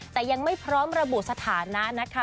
แต่ยังไม่พร้อมระบุสถานะนะคะ